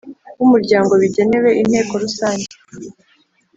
w umuryango bigenewe Inteko Rusange